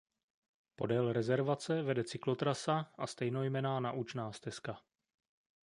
Podél rezervace vede cyklotrasa a stejnojmenná naučná stezka.